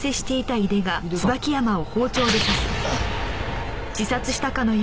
あっ！